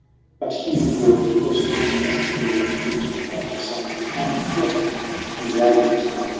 But Hugh walked leisurely across the floor And kicked the croucher, saying: "Come, get up And wag your tail